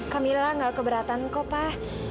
camilla gak keberatan kok pak